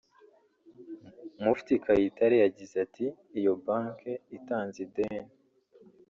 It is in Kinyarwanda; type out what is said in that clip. Mufti Kayitare yagize ati “Iyo banki itanze ideni